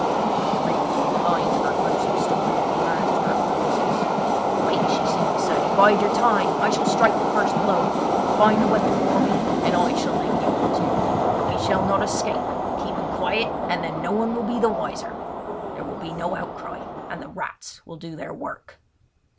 I could read between the lines of her gruesome story the commands to her accomplices. "Wait," she seemed to say, "bide your time. I shall strike the first blow. Find the weapon for me, and I shall make the opportunity! He shall not escape! Keep him quiet, and then no one will be wiser. There will be no outcry, and the rats will do their work!"